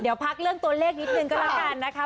เดี๋ยวพักเรื่องตัวเลขนิดนึงก็แล้วกันนะคะ